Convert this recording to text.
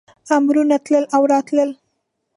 امرونه تلل او راتلل.